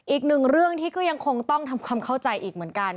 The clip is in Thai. อีกหนึ่งเรื่องที่ก็ยังคงต้องทำความเข้าใจอีกเหมือนกัน